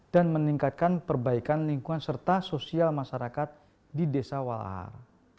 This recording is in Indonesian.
dan meningkatkan perbaikan lingkungan serta sosial masyarakat di desa walahar